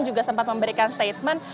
juga sempat memberikan statement